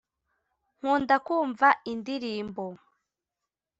Nkunda kumva indirimbo